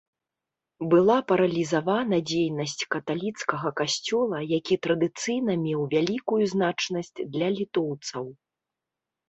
Была паралізавана дзейнасць каталіцкага касцёла, які традыцыйна меў вялікую значнасць для літоўцаў.